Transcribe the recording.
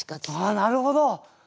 なるほど。